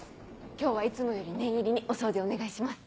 今日はいつもより念入りにお掃除お願いします。